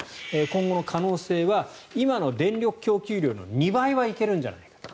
今後の可能性は今の電力供給量の２倍はいけるんじゃないかと。